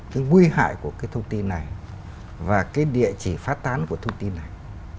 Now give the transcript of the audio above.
cái nguy hại của cái thông tin này và cái địa chỉ phát tán của thông tin này